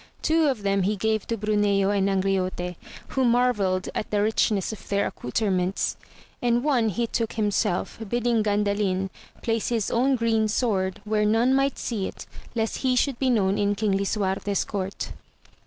Two of them he gave to Bruneo and Angriote, who marvelled at the richness of their accoutrements, and one he took himself, bidding Gandalin place his own green sword where none might see it, lest he should be known in King Lisuarte's Court.